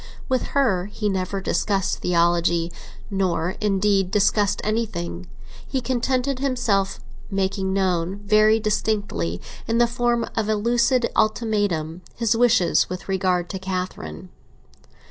With her he never discussed theology, nor, indeed, discussed anything; he contented himself with making known, very distinctly, in the form of a lucid ultimatum, his wishes with regard to Catherine.